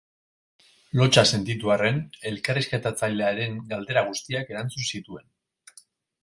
Lotsa sentitu arren elkarrizketatzailearen galdera guztiak erantzun zituen.